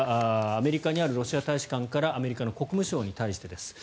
アメリカにあるロシア大使館からアメリカの国務省に対してです。